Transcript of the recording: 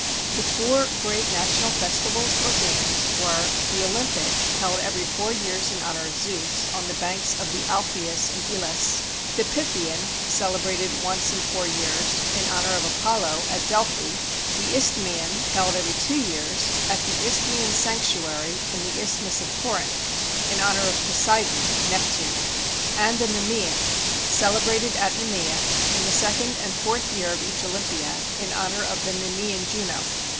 The four great national festivals or games were: The Olympic, held every four years, in honor of Zeus, on the banks of the Alpheus, in Elis; the Pythian, celebrated once in four years, in honor of Apollo, at Delphi; the Isthmian, held every two years, at the isthmian sanctuary in the Isthmus of Corinth, in honor of Poseidon (Neptune); and the Nemean, celebrated at Nemea, in the second and fourth years of each Olympiad, in honor of the Nemean Juno.